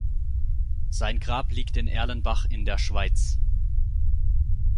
Sein Grab liegt in Erlenbach in der Schweiz.